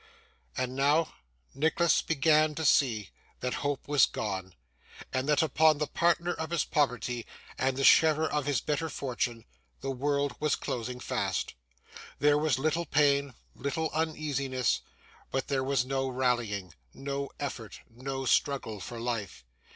And now, Nicholas began to see that hope was gone, and that, upon the partner of his poverty, and the sharer of his better fortune, the world was closing fast. There was little pain, little uneasiness, but there was no rallying, no effort, no struggle for life.